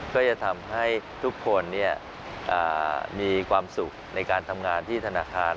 ก็จะทำให้ทุกคนมีความสุขในการทำงานที่ธนาคาร